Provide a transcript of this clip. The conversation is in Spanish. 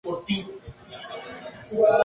Sus padres no le dieron ningún nombre intermedio.